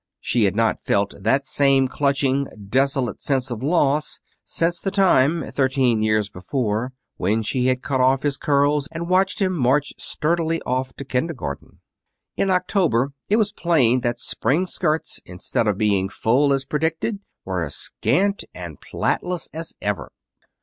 She had not felt that same clutching, desolate sense of loss since the time, thirteen years before, when she had cut off his curls and watched him march sturdily off to kindergarten. In October it was plain that spring skirts, instead of being full as predicted, were as scant and plaitless as ever.